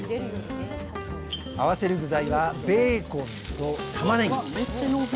合わせる具材はベーコンとたまねぎ。